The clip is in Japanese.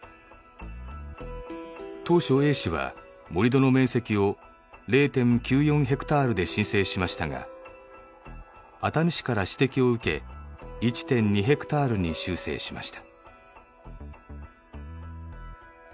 当初Ａ氏は盛り土の面積を０．９４ヘクタールで申請しましたが熱海市から指摘を受け１．２ヘクタールに修正しました。